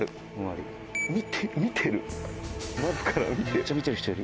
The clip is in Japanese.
「めっちゃ見てる人いる。